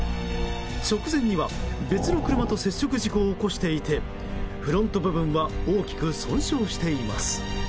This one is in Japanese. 直前には別の車と接触事故を起こしていてフロント部分は大きく損傷しています。